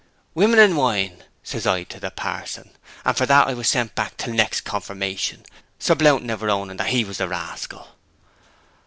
"Women and wine," says I to the pa'son: and for that I was sent back till next confirmation, Sir Blount never owning that he was the rascal.'